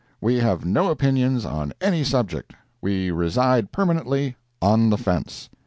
We have no opinions on any subject—we reside permanently on the fence.